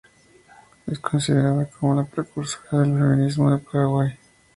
Es considerada como la precursora del Feminismo en el Paraguay.